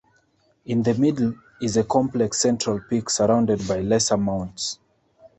In the middle is a complex central peak surrounded by lesser mounts.